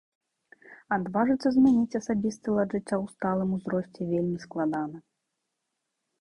Адважыцца змяніць асабісты лад жыцця ў сталым ўзросце вельмі складана.